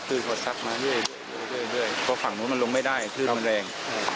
คือเขาซักมาเรื่อยเพราะฝั่งนู้นมันลงไม่ได้คลื่นมันแรง